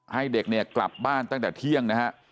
ให้เด็กกลับบ้านตั้งแต่เที่ยง